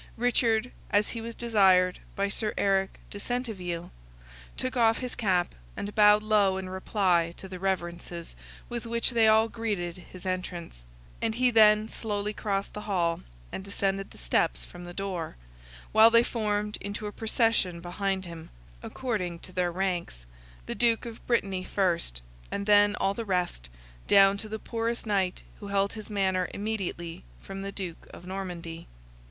Richard, as he was desired by Sir Eric de Centeville, took off his cap, and bowed low in reply to the reverences with which they all greeted his entrance, and he then slowly crossed the hall, and descended the steps from the door, while they formed into a procession behind him, according to their ranks the Duke of Brittany first, and then all the rest, down to the poorest knight who held his manor immediately from the Duke of Normandy.